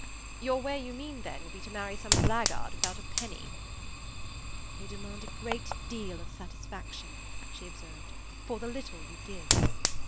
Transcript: "Your way, you mean then, will be to marry some blackguard without a penny?" "You demand a great deal of satisfaction," she observed, "for the little you give."